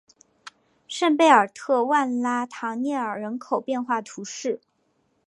圣贝尔特万拉唐涅尔人口变化图示